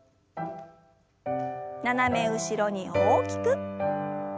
斜め後ろに大きく。